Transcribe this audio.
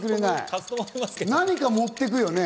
何か持ってくよね。